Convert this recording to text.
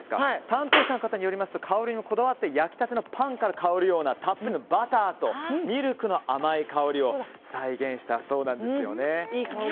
担当者の方によりますと香りにもこだわって焼きたてのパンから香るようなたっぷりのバターとミルクの甘い香りを再現したそうなんです。